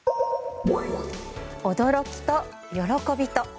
驚きと喜びと。